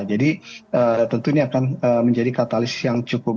jadi tentu ini akan menjadi katalis yang cukup